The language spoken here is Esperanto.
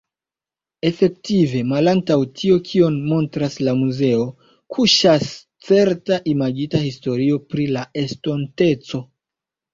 Efektive, malantaŭ tio kion montras la muzeo, kuŝas certa imagita historio pri la estonteco.